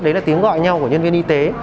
đấy là tiếng gọi nhau của nhân viên y tế